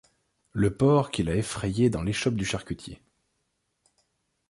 Le porc qu’il a effrayé dans l’échoppe du charcutier.